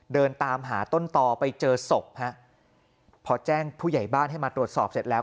เดินตามหาต้นตอไปเจอศพฮะพอแจ้งผู้ใหญ่บ้านให้มาตรวจสอบเสร็จแล้ว